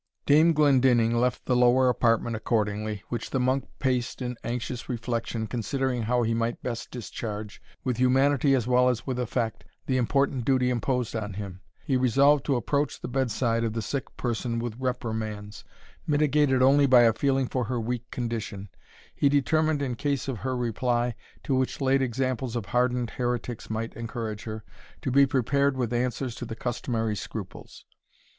Dame Glendinning left the lower apartment accordingly, which the monk paced in anxious reflection, considering how he might best discharge, with humanity as well as with effect, the important duty imposed on him. He resolved to approach the bedside of the sick person with reprimands, mitigated only by a feeling for her weak condition he determined, in case of her reply, to which late examples of hardened heretics might encourage her, to be prepared with answers to the customary scruples.